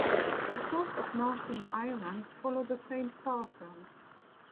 The Courts of Northern Ireland follow the same pattern.